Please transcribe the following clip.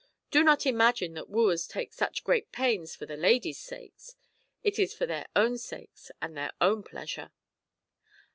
Do not imagine that wooers take such great pains for the ladies' sakes. It is for their own sakes and their own pleasure."